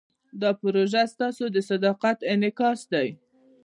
دا پروژه ستاسو د صداقت انعکاس دی.